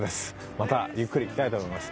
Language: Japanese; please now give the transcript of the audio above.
またゆっくり来たいと思います。